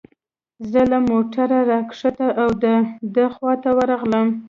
زه له موټره را کښته او د ده خواته ورغلم.